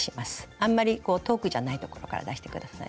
あんまり遠くじゃないところから出して下さい。